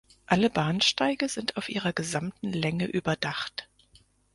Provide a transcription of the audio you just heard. Alle Bahnsteige sind auf ihrer gesamten Länge überdacht.